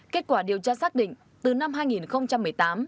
kết quả điều tra xác định từ năm hai nghìn một mươi tám